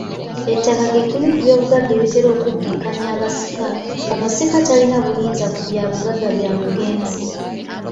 Ettaka ky'ekimu ku by'obugagga ebitera okubbinkanya abasika. Omusika tolina buyinza ku byabugagga bya mugenzi.